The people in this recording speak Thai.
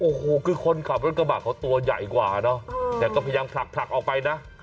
โอ้โหคือคนขับรถกระบะเขาตัวใหญ่กว่าเนอะแต่ก็พยายามผลักผลักออกไปนะ